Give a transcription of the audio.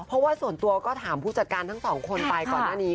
เพราะว่าส่วนตัวก็ถามผู้จัดการทั้งสองคนไปก่อนหน้านี้